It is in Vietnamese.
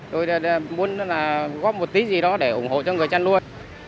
tôi muốn là góp một tí gì đó để ủng hộ cho người chăn nuôi